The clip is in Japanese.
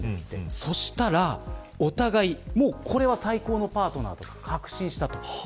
そしたら、お互いこれは最高のパートナーと確信したと。